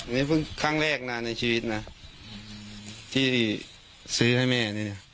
นี่ครั้งแรกในชีวิตนะที่ซื้อให้แม่เนี่ย